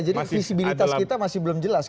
jadi visibilitas kita masih belum jelas